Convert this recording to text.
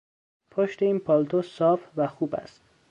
پشت این پالتو صاف و خوب است.